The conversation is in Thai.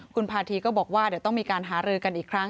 คุณพาธีก็บอกว่าเดี๋ยวต้องมีการหารือกันอีกครั้ง